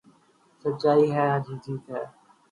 سچائی ہی جیتتی ہے